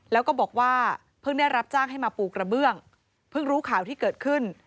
แล้วก็บอกว่าเพิ่งได้รับจ้างให้มาปูกระเบื้องเพิ่งรู้ข่าวที่เกิดขึ้น